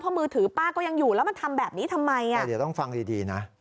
เพราะมือถือป้าก็ยังอยู่แล้วทำแบบนี้ทำไม